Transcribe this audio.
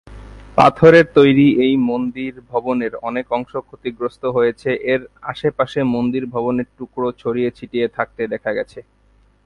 পাথরের তৈরি এই মন্দির ভবনের অনেক অংশ ক্ষতিগ্রস্ত হয়েছে এর আশেপাশে মন্দির ভবনের টুকরো ছড়িয়ে ছিটিয়ে থাকতে দেখা গেছে।